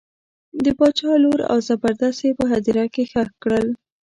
د باچا لور او زبردست یې په هدیره کې ښخ کړل.